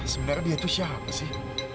sebenarnya dia itu siapa sih